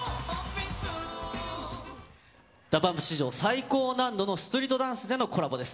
ＤＡＰＵＭＰ史上最高難度のストリートダンスでのコラボです。